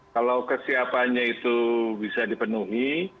kalau kesiapannya itu bisa dipenuhi